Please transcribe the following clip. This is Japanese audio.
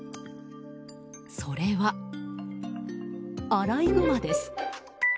それはアライグマです。